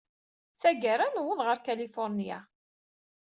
Tagara, newweḍ ɣer Kalifuṛnya.